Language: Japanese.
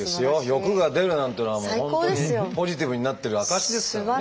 欲が出るなんていうのはもう本当にポジティブになってる証しですからね